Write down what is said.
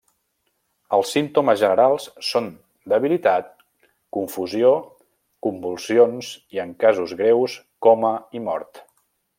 Els símptomes generals són debilitat, confusió, convulsions, i en casos greus, coma i mort.